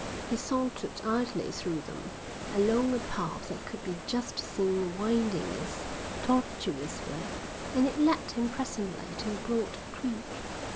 He sauntered idly through them, along a path that could be just seen winding its tortuous way, and it led him presently to a broad creek.